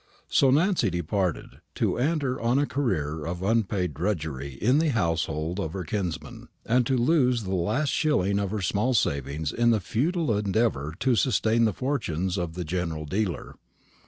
So Nancy departed, to enter on a career of unpaid drudgery in the household of her kinsman, and to lose the last shilling of her small savings in the futile endeavour to sustain the fortunes of the general dealer.